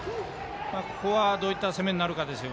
ここはどういった攻めになるか。